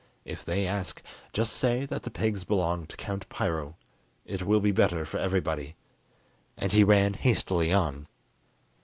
If they ask, just say that the pigs belong to Count Piro; it will be better for everybody." And he ran hastily on.